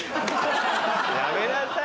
やめなさい。